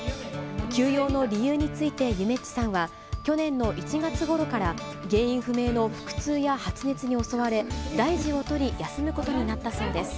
休養の理由についてゆめっちさんは、去年の１月ごろから、原因不明の腹痛や発熱に襲われ、大事を取り、休むことになったそうです。